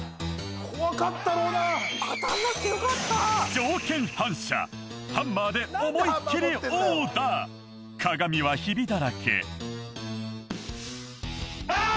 条件反射ハンマーで思いっきり殴打鏡はヒビだらけアーッ！